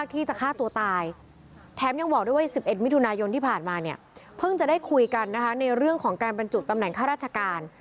ที่จะฆ่าตัวตายแถมยังบอกด้วยว่า๑๑มิถุนายนที่ผ่านมาเนี่ยเพิ่งจะได้คุยกันนะคะในเรื่องของการบรรจุตำแหน่งข้าราชการ